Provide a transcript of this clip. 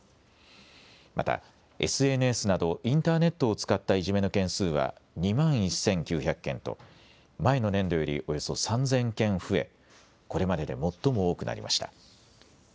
またＳＮＳなどインターネットを使ったいじめの件数は２万１９００件と前の年度よりおよそ３０００件増えこれまでで最も多くなりました。